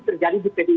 terjadi di pdi